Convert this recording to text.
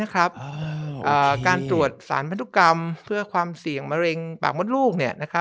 การตรวจสารพันธุกรรมเพื่อความเสี่ยงมะเร็งปากมดลูก